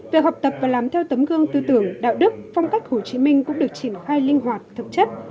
việc học tập và làm theo tấm gương tư tưởng đạo đức phong cách hồ chí minh cũng được triển khai linh hoạt thực chất